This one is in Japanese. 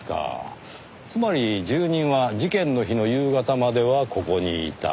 つまり住人は事件の日の夕方まではここにいた。